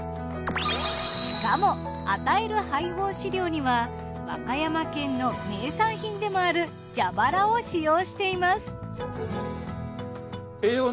しかも与える配合飼料には和歌山県の名産品でもあるじゃばらを使用しています。